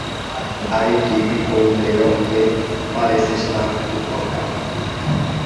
A equipe com o melhor tempo parece estar intocada.